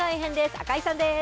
赤井さんです。